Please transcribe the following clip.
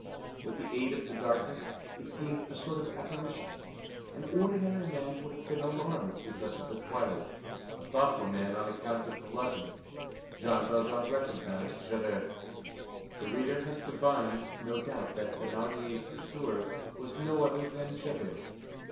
With the aid of the darkness, it seemed a sort of apparition. An ordinary man would have been alarmed because of the twilight, a thoughtful man on account of the bludgeon. Jean Valjean recognized Javert. The reader has divined, no doubt, that Thénardier's pursuer was no other than Javert.